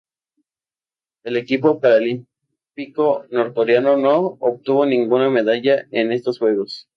El equipo paralímpico norcoreano no obtuvo ninguna medalla en estos Juegos.